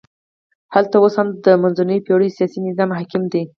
هلته اوس هم د منځنیو پېړیو سیاسي نظام حاکم دی.